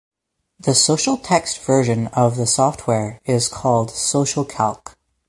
The Socialtext version of the software is called SocialCalc.